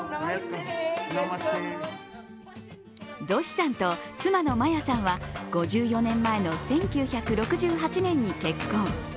ドシさんと妻のマヤさんは５４年前の１９６８年に結婚。